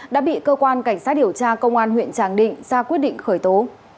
đã bị cơ quan cảnh sát điều tra công an huyện tràng định ra quyết định khởi tố